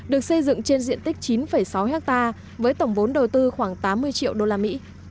được xây dựng trên diện tích chín sáu ha với tổng vốn đầu tư khoảng tám mươi triệu usd